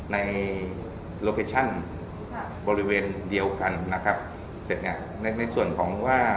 ในโลเคชั่นบริเวณเดียวกันนะครับเสร็จเนี่ยในในส่วนของว่า